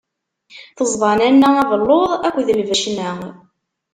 Teẓda nanna abelluḍ akked d lbecna.